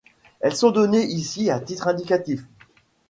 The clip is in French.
Elles sont données ici à titre indicatif.